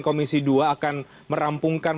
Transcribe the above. komisi dua akan merampungkan